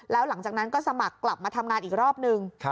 แล้วหลังจากนั้นก็สมัครกลับมาทำงานอีกรอบนึง